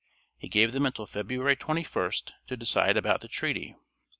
He gave them until February 21st to decide about the treaty.